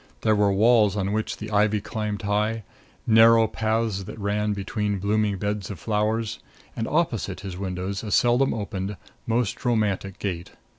There were walls on which the ivy climbed high, narrow paths that ran between blooming beds of flowers, and opposite his windows a seldom opened, most romantic gate.